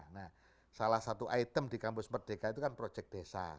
nah salah satu item di kampus merdeka itu kan proyek desa